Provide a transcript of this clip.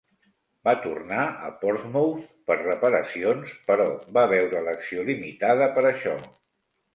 Va tornar a Portsmouth per reparacions però va veure l'acció limitada per això.